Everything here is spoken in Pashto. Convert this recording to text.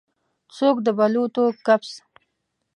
څوک د بلوطو کپس